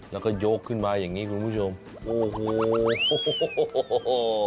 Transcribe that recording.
แล้วก็ยกขึ้นมาอย่างงี้คุณผู้ชมโอ้โห